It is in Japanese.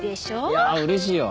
いやあ嬉しいよ。